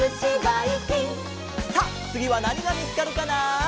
さあつぎはなにがみつかるかな？